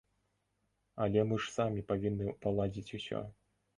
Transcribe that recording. Але мы ж самі павінны паладзіць усё.